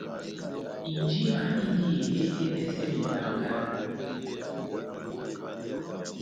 Injima indi ele ́evɛsɛ mebanga.